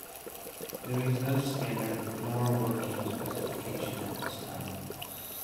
There is no standard nor a working specification at this time.